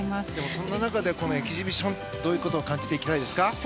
そんな中でこのエキシビションどういうことを感じていきたいですか。